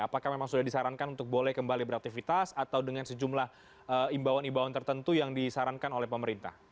apakah memang sudah disarankan untuk boleh kembali beraktivitas atau dengan sejumlah imbauan imbauan tertentu yang disarankan oleh pemerintah